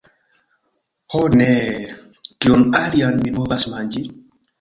Ho, neeeee... kion alian mi povas manĝi?